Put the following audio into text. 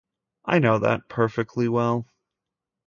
I know that perfectly well.